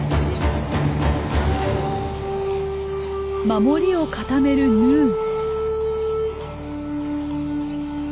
守りを固めるヌー。